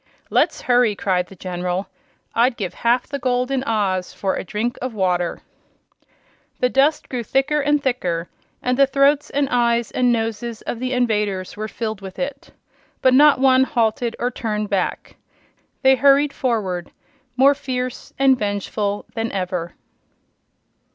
"Let's hurry!" cried the General. "I'd give half the gold in Oz for a drink of water." The dust grew thicker and thicker, and the throats and eyes and noses of the invaders were filled with it. But not one halted or turned back. They hurried forward more fierce and vengeful than ever.